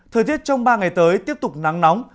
thời tiết trong ba ngày tới tiếp tục nắng nóng